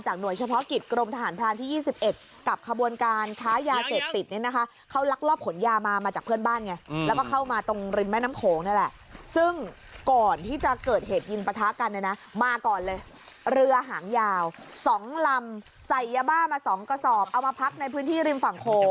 ให้ฟังเลยฟังเลยเสียงตื่นปั๊งรั่วแบบนี้ค่ะ